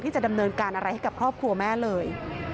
จะดำเนินการอะไรให้กับครอบครัวแม่เลย